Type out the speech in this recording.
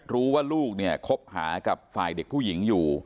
รู้ว่าลูกเนี่ยคบหากับฝ่ายเด็กผู้หญิงอยู่